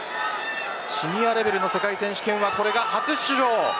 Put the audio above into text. シニアレベルの世界選手権はこれが初出場。